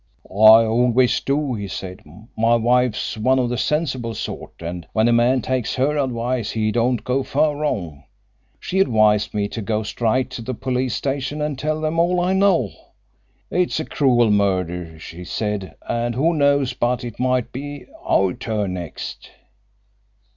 "I always do," he said. "My wife's one of the sensible sort, and when a man takes her advice he don't go far wrong. She advised me to go straight to the police station and tell them all I know. 'It is a cruel murder,' she said, 'and who knows but it might be our turn next?'"